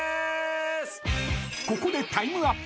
［ここでタイムアップ］